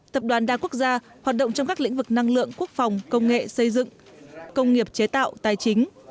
tập đoàn đa quốc gia hoạt động trong các lĩnh vực năng lượng quốc phòng công nghệ xây dựng công nghiệp chế tạo tài chính